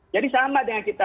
jadi sama dengan kita